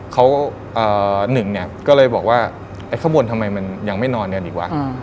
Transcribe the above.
เขาหนึ่งเนี่ยก็เลยบอกว่าไอ้ข้างบนทำไมมันยังไม่นอนกันอีกวะ